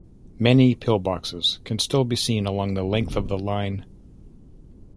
Many pillboxes can still be seen along the length of the line.